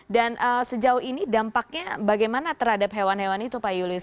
dan sejauh ini dampaknya bagaimana terhadap hewan hewan itu pak julius